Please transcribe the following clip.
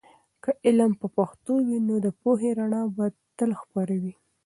که علم په پښتو وي، نو د پوهې رڼا به تل خپره وي.